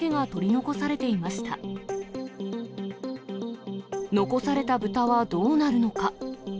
残された豚はどうなるのか。